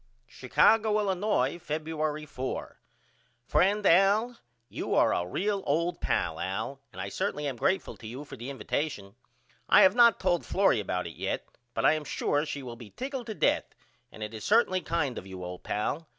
Chicago, Illinois, Febuery 4. FRIEND AL: You are a real old pal Al and I certainly am greatful to you for the invatation. I have not told Florrie about it yet but I am sure she will be tickled to death and it is certainly kind of you old pal.